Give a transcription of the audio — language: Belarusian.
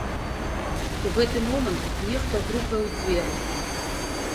У гэты момант нехта грукае ў дзверы.